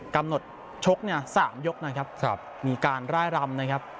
กำหนดชกเนี่ย๓ยกนะครับมีการร่ายรำนะครับ